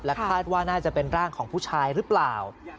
คาดว่าน่าจะเป็นร่างของผู้ชายหรือเปล่า